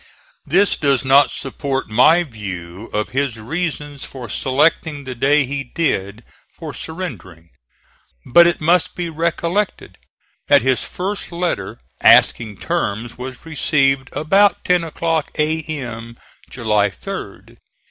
This does not support my view of his reasons for selecting the day he did for surrendering. But it must be recollected that his first letter asking terms was received about 10 o'clock A.M., July 3d.